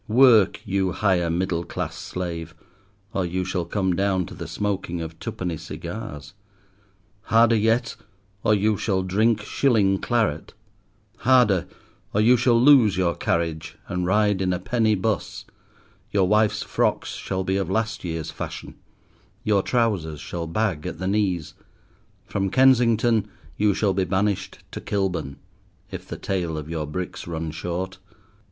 Work, you higher middle class slave, or you shall come down to the smoking of twopenny cigars; harder yet, or you shall drink shilling claret; harder, or you shall lose your carriage and ride in a penny bus; your wife's frocks shall be of last year's fashion; your trousers shall bag at the knees; from Kensington you shall be banished to Kilburn, if the tale of your bricks run short.